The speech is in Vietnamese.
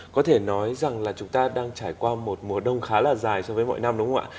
có thể nói rằng là chúng ta đang trải qua một mùa đông khá là dài so với mọi năm đúng không ạ